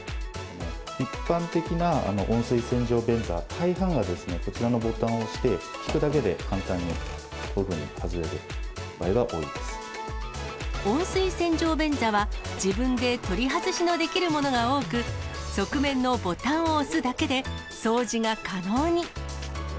一般的な温水洗浄便座は、大半がですね、こちらのボタンを押して、引くだけで簡単に、こういうふうに外れ温水洗浄便座は自分で取り外しのできるものが多く、側面のボタンを押すだけで、掃除が可能に。